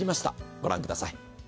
御覧ください。